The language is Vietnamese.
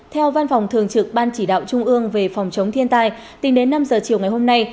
theo văn phòng thường trực ban chỉ đạo trung ương về phòng chống thiên tai tính đến năm giờ chiều ngày hôm nay